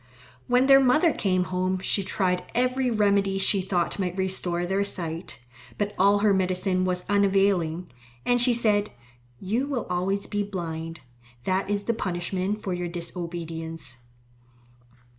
When their mother came home she tried every remedy she thought might restore their sight. But all her medicine was unavailing, and she said, "You will always be blind. That is the punishment for your disobedience."